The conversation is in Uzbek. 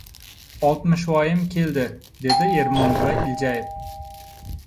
— Oltmishvoyim keldi, — dedi Ermon buva iljayib.